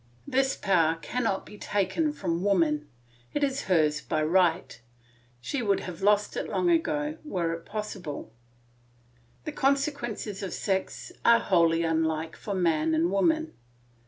This power cannot be taken from woman; it is hers by right; she would have lost it long ago, were it possible. The consequences of sex are wholly unlike for man and woman.